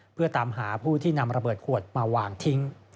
เพื่อตามหาผู้ที่นำระเบิดขวดมาวางทิ้ง